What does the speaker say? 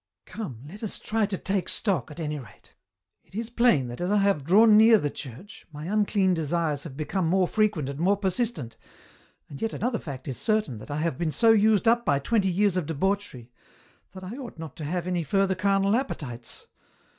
" Come, let us try to take stock at any rate ! It is plain that as I have drawn near the Church, my unclean desires have become more frequent and more persistent ; and yet another fact is certain that I have been so used up by twenty years of debauchery that I ought not to have any further carnal appetites.